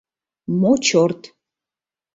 Мо чорт!..